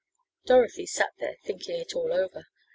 Dorothy sat there thinking it all over.